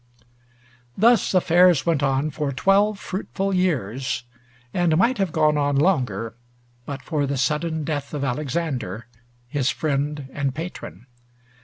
Thus affairs went on for twelve fruitful years, and might have gone on longer, but for the sudden death of Alexander, his friend and patron.